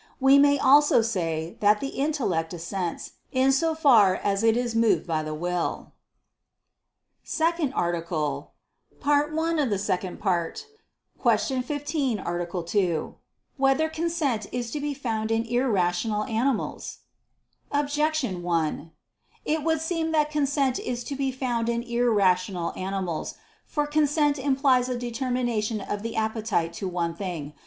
]. We may also say that the intellect assents, in so far as it is moved by the will. ________________________ SECOND ARTICLE [I II, Q. 15, Art. 2] Whether Consent Is to Be Found in Irrational Animals? Objection 1: It would seem that consent is to be found in irrational animals. For consent implies a determination of the appetite to one thing.